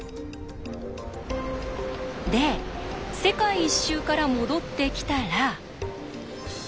で世界一周から戻ってきたら。